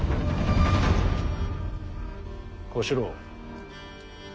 小四郎。